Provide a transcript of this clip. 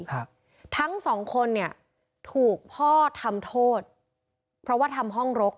ครับทั้งสองคนเนี่ยถูกพ่อทำโทษเพราะว่าทำห้องรก